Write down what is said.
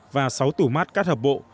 và sáu tủ mát cắt hợp bộ